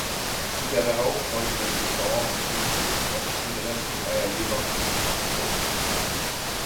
In der darauf folgenden Saison ging die Rückraumspielerin für Bayer Leverkusen auf Torejagd.